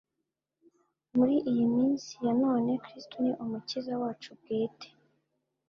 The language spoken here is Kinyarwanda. Muri iyi minsi ya none, Kristo ni Umukiza wacu bwite